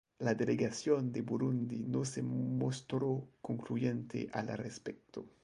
La delegación de Burundi no se mostró concluyente al respecto.